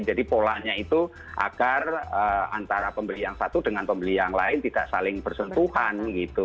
jadi polanya itu agar antara pembeli yang satu dengan pembeli yang lain tidak saling bersentuhan gitu